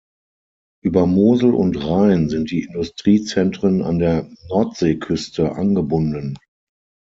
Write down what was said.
Über Mosel und Rhein sind die Industriezentren an der Nordsee-Küste angebunden.